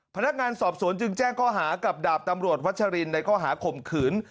พนักงานสอบสวนจึงแจ้งข้อหากับดาบตำรวจวัชรินในข้อหาข่มขืน